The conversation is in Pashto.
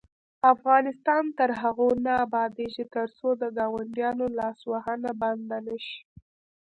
افغانستان تر هغو نه ابادیږي، ترڅو د ګاونډیانو لاسوهنه بنده نشي.